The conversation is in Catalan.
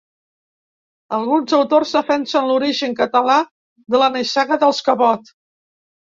Alguns autors defensen l’origen català de la nissaga dels Cabot.